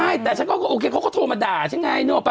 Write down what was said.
ไม่แต่ฉันก็โอเคเขาก็โทรมาด่าใช่ไง